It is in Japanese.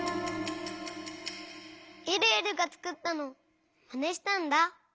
えるえるがつくったのをまねしたんだ。